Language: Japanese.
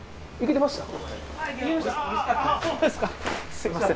すみません。